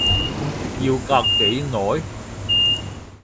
要隔幾耐？